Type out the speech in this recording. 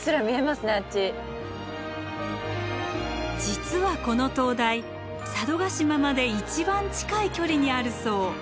実はこの灯台佐渡島まで一番近い距離にあるそう。